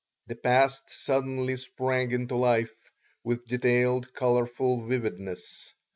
The past suddenly sprang into life with detailed, colorful vividness.